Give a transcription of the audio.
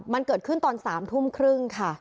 มันเกิดขึ้นตอน๓ทุ่มครึ่งค่ะ